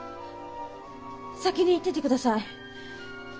先に行ってて下さい。